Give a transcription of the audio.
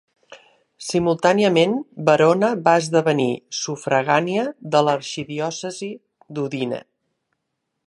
Simultàniament Verona va esdevenir sufragània de l'arxidiòcesi d'Udine.